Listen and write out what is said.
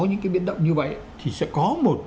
những cái biến động như vậy thì sẽ có một